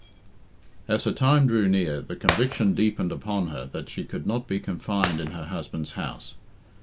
As her time drew near, the conviction deepened upon her that she could not be confined in her husband's house.